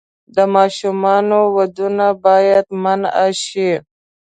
د ماشومانو ودونه باید منع شي.